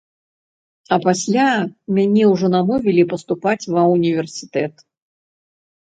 А пасля мяне ўжо намовілі паступаць ва ўніверсітэт.